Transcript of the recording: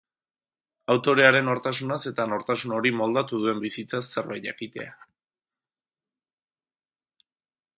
Autorearen nortasunaz eta nortasun hori moldatu duen bizitzaz zerbait jakitea.